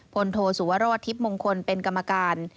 โทสุวรสทิพย์มงคลเป็นกรรมการ